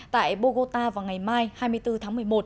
tại bogota vào ngày mai hai mươi bốn tháng một mươi một